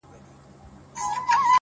باروتي زلفو دې دومره راگير کړی;